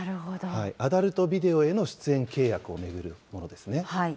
アダルトビデオへの出演契約を巡るものですね。